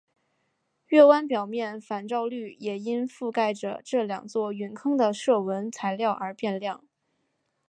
月湾表面反照率也因覆盖着这两座陨坑的射纹材料而变亮。